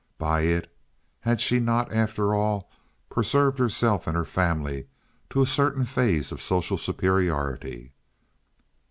By it had she not, after all, preserved herself and her family to a certain phase of social superiority?